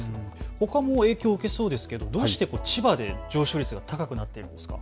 ほかも影響を受けそうですけどどうして千葉で上昇率が高くなっているんですか。